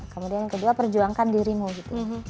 kemudian kedua perjuangkan dirimu gitu